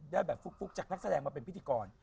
ได้แบบฟุกจากนักแสดงมาเป็นพิธีกร